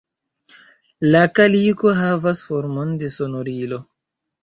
La kaliko havas formon de sonorilo.